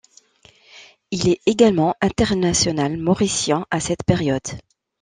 Il est également international mauricien à cette période.